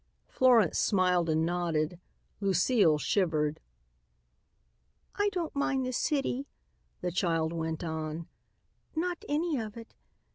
Florence smiled and nodded. Lucile shivered. "I don't mind the city," the child went on, "not any of it.